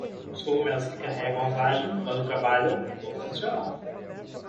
Os cogumelos que carregam a vagem, quando trabalham, vão funcionar.